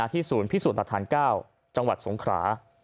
ศูนย์พิสูจน์หลักฐาน๙จังหวัดสงขรา